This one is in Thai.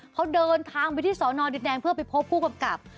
เขาเดินทางไปที่สอนอดินแดงเพื่อไปพบผู้กำกับ